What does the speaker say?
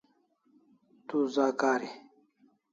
Tu za kari